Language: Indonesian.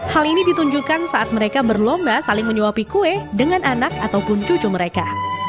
hal ini ditunjukkan saat mereka berlomba saling menyuapi kue dengan anak ataupun cucu mereka